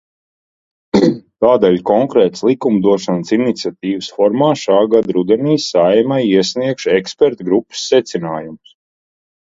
Tādēļ konkrētas likumdošanas iniciatīvas formā šā gada rudenī Saeimai iesniegšu ekspertu grupas secinājumus.